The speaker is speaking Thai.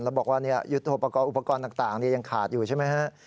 แล้วบอกว่ายุทธโปรกรณอุปกรณ์ต่างยังขาดอยู่ใช่ไหมฮะ